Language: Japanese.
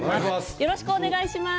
よろしくお願いします。